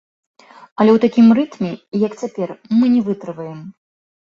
Але ў такім рытме, як цяпер, мы не вытрываем.